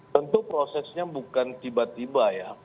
tentu prosesnya bukan tiba tiba ya